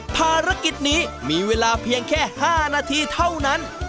ภารกิจนี้มีเวลาเพียงแค่๕นาทีเท่านั้น